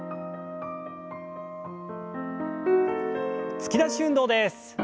突き出し運動です。